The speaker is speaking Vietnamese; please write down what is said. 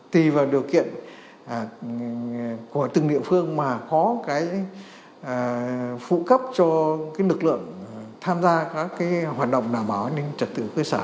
tùy vào điều kiện của từng địa phương mà có cái phụ cấp cho lực lượng tham gia các hoạt động đảm bảo an ninh trật tự cơ sở